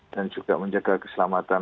dan juga menjaga keselamatan